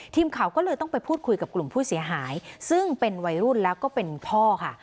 ทีมข่าวก็เลยต้องไปพูดคุยกับกลุ่มผู้เสียหายซึ่งเป็นวัยรุ่นแล้วก็เป็นพ่อค่ะ